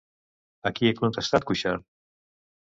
A qui ha contestat, Cuixart?